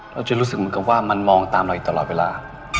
รู้สึกเหมือนกับว่ามันมองตามเราอีกตลอดเวลา